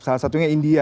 salah satunya india